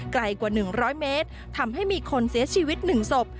ไกลกว่าหนึ่งร้อยเมตรทำให้มีคนเสียชีวิตหนึ่งศพ